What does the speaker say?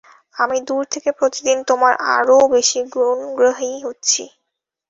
আমি দূর থেকে প্রতিদিন তোমার আরও বেশী গুণগ্রাহী হচ্ছি।